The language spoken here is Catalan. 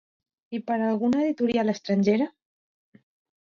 I per a alguna editorial estrangera?